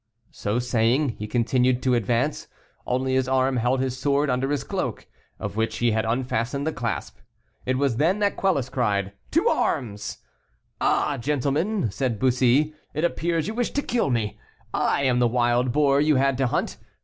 '" So saying, he continued to advance, only his arm held his sword under his cloak, of which he had unfastened the clasp. It was then that Quelus cried, "To arms." "Ah, gentlemen," said Bussy, "it appears you wish to kill me: I am the wild boar you had to hunt.